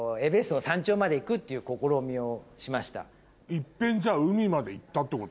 一遍じゃあ海まで行ったってこと？